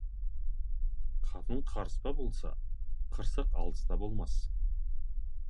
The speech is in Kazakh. Қатын қарыспа болса, қырсық алыста болмас.